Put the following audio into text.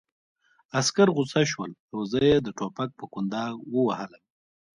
عسکر غوسه شول او زه یې د ټوپک په کونداغ ووهلم